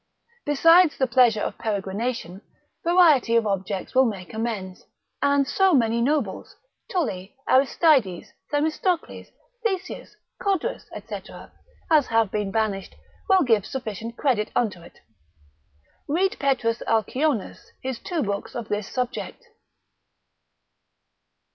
Besides the pleasure of peregrination, variety of objects will make amends; and so many nobles, Tully, Aristides, Themistocles, Theseus, Codrus, &c. as have been banished, will give sufficient credit unto it. Read Pet. Alcionius his two books of this subject.